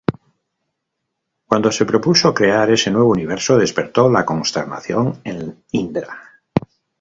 Cuando se propuso crear ese nuevo universo, despertó la consternación en Indra.